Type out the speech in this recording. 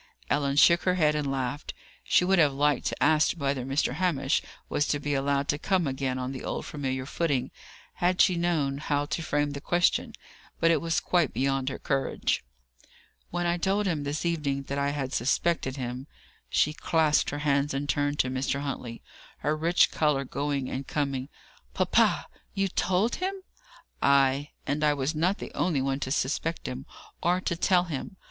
Ellen shook her head and laughed. She would have liked to ask whether Mr. Hamish was to be allowed to come again on the old familiar footing, had she known how to frame the question. But it was quite beyond her courage. "When I told him this evening that I had suspected him " She clasped her hands and turned to Mr. Huntley, her rich colour going and coming. "Papa, you told him?" "Ay. And I was not the only one to suspect him, or to tell him.